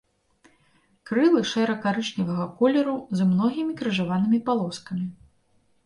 Крылы шэра-карычневага колеру, з многімі крыжаванымі палоскамі.